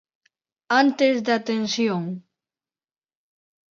Antes da tensión.